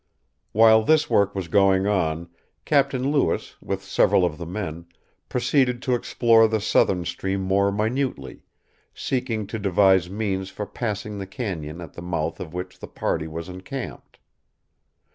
While this work was going on, Captain Lewis, with several of the men, proceeded to explore the southern stream more minutely, seeking to devise means for passing the cañon at the mouth of which the party was encamped.